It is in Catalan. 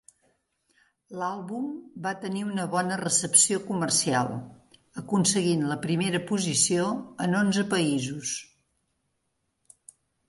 L'àlbum va tenir una bona recepció comercial, aconseguint la primera posició en onze països.